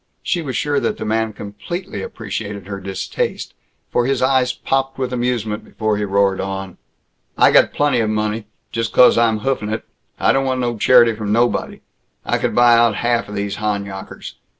She was sure that the man completely appreciated her distaste, for his eyes popped with amusement before he roared on: "I got plenty of money! Just 'cause I'm hoofin' it I don't want no charity from nobody! I could buy out half these Honyockers!